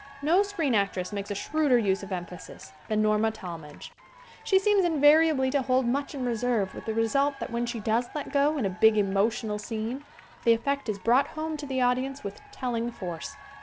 No screen actress makes a shrewder use of emphasis than Norma Talmadge. She seems invariablv to hold much in reserve with the re * suit that when she does let go in a big emo tional scene the effect is brought home to the audience with telling force.